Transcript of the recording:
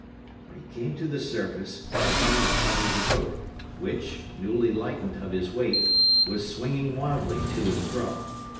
When he came to the surface his hand encountered the rope, which, newly lightened of his weight, was swinging wildly to and fro.